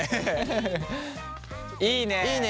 いいね！